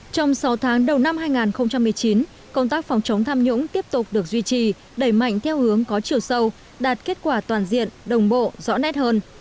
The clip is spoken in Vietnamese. trong sáu tháng đầu năm hai nghìn một mươi chín công tác phòng chống tham nhũng tiếp tục được duy trì đẩy mạnh theo hướng có chiều sâu đạt kết quả toàn diện đồng bộ rõ nét hơn